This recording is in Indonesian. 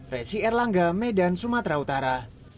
resi erlangga medan sumatera utara